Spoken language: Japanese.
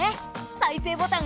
再生ボタン。